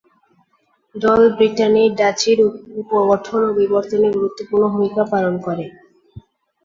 Doll ব্রিটানির ডাচির গঠন ও বিবর্তনে গুরুত্বপূর্ণ ভূমিকা পালন করে।